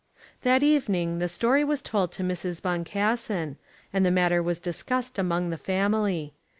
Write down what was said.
That evening the story was told to Mrs. Boncassen, and the matter was discussed among the family.